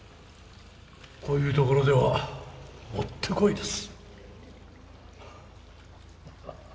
こういうところではもってこいです。